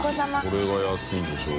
これが安いんでしょ？